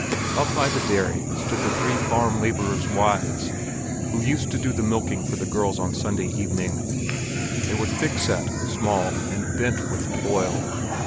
Up by the dairy stood the three farm laborers' wives who used to do the milking for the girls on Sunday evening. They were thick set, small, and bent with toil.